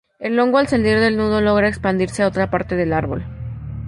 El hongo al salir del nudo logra expandirse a otra parte del árbol.